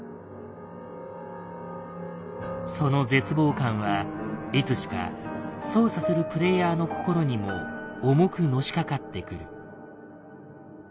その絶望感はいつしか操作するプレイヤーの心にも重くのしかかってくる。